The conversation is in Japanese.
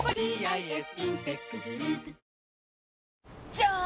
じゃーん！